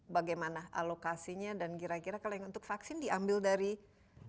bagaimana alokasinya dan kira kira kalau yang untuk vaksin diambil dari vaksin